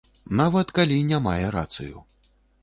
Нават калі не мае рацыю.